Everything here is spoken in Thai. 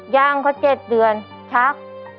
ย่างเขา๗เดือนชัก